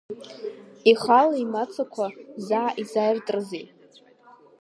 Ихала имацақәа заа изааиртрызи?